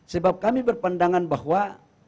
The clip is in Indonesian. sebab kami berpandangan bahwa